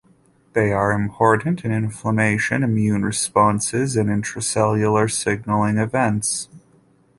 They are important in inflammation, immune responses and in intracellular signalling events.